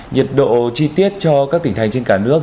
nhiệt độ chi tiết cho các tỉnh thành trên cả nước